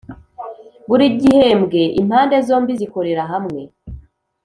Buri gihembwe impande zombi zikorera hamwe